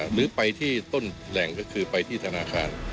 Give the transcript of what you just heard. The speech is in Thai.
หรือไปที่ต้นแหล่งก็คือไปที่ธนาคาร